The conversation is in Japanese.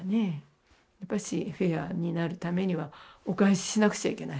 やっぱしフェアになるためにはお返ししなくちゃいけない。